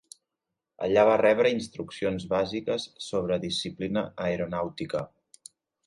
Allà va rebre instruccions bàsiques sobre disciplina aeronàutica.